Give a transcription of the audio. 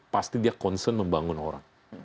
pasti dia concern membangun orang